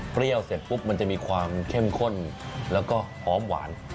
เสร็จปุ๊บมันจะมีความเข้มข้นแล้วก็หอมหวาน